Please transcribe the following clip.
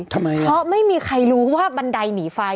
เพราะไม่มีใครรู้ว่าบันไดหนีไฟ